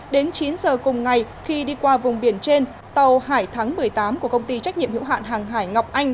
đến chín giờ cùng ngày khi đi qua vùng biển trên tàu hải thắng một mươi tám của công ty trách nhiệm hiệu hạn hàng hải ngọc anh